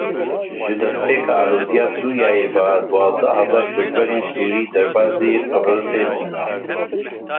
Ji destpêka aloziya Sûriyeyê ve duwazdeh hezar koçberên Sûrî derbasî Qibrisê bûne.